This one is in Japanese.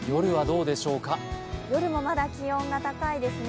夜もまだ気温が高いですね。